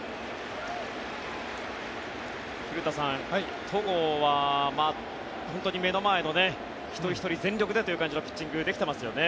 古田さん、戸郷は目の前の一人ひとり全力でという感じのピッチングができてますよね。